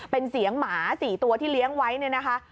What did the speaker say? เป็นเสียงหมา๔ตัวที่เลี้ยงไว้เนี่ยนะคะ